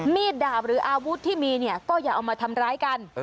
ดาบหรืออาวุธที่มีเนี่ยก็อย่าเอามาทำร้ายกัน